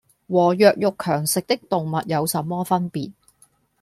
和弱肉強食的動物有什麼分別